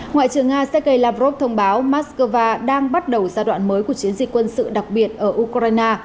ngoại trưởng nga sergei lavrov thông báo moscow đang bắt đầu giai đoạn mới của chiến dịch quân sự đặc biệt ở ukraine